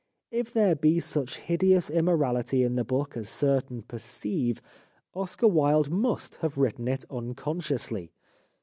If there be such hideous immorality in the book as certain per ceive, Oscar Wilde must have written it un consciously.